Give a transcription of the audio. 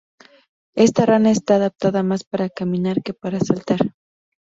Esta rana está adaptada más para caminar que para saltar.